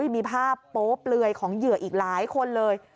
มีภาพโป๊เปลือยของเหยื่ออีกหลายคนเลย